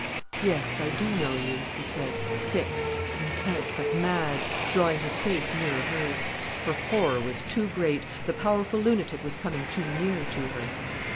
"Yes, I do know you," he said, fixed, intent, but mad, drawing his face nearer hers. Her horror was too great. The powerful lunatic was coming too near to her.